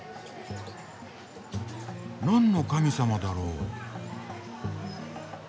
何の神様だろう？